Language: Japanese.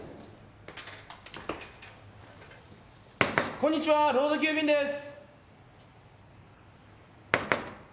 こんにちはロード急便です。